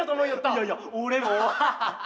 いやいや俺も。